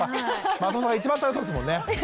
松本さんが一番楽しそうですもんね。